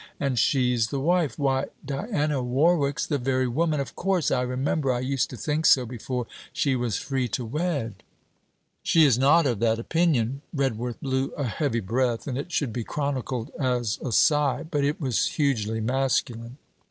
and she's the wife! Why, Diana Warwick 's the very woman, of course! I remember I used to think so before she was free to wed.' 'She is not of that opinion.' Redworth blew a heavy breath; and it should be chronicled as a sigh; but it was hugely masculine.